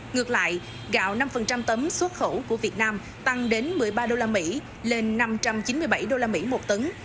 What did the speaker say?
ngược lại gạo năm tấm xuất khẩu của việt nam tăng đến một mươi ba đô la mỹ lên năm trăm chín mươi bảy đô la mỹ một tấn